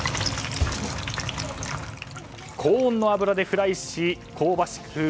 高温の油でフライし香ばしく